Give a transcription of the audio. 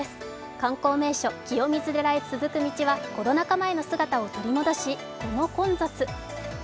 観光名所、清水寺へ続く道はコロナ禍前の姿を取り戻し、この混雑。